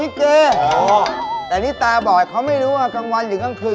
แต่นี่ตาบอดเขาไม่รู้ว่ากลางวันหรือกลางคืน